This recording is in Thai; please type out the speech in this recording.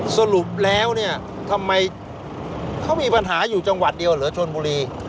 สรุปแล้วเนี่ยทำไมเขามีปัญหาอยู่จังหวัดเดียวเหรอชนบุรี